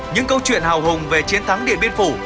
những câu chuyện hào hùng về chiến thắng điện biên phủ